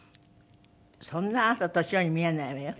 そんなあなた年寄りに見えないわよ。